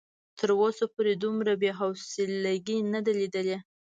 تر اوسه پورې دومره بې حوصلګي نه ده ليدلې.